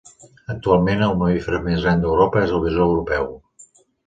Actualment, el mamífer més gran d'Europa és el bisó europeu.